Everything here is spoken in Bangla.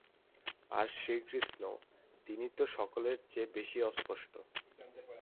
আর শ্রীকৃষ্ণ, তিনি তো সকলের চেয়ে বেশী অস্পষ্ট।